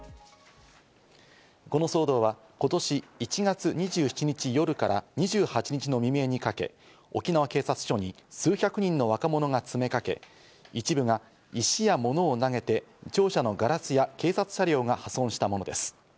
この騒動は今年１月２７日夜から２８日の未明にかけ、沖縄警察署に数百人の若者が詰めかけ、一部が石や物を投げて庁舎のガラスや警察車両が破損したものです。